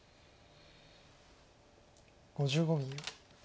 ５５秒。